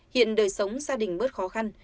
hiện đời sống gia đình bớt khó khăn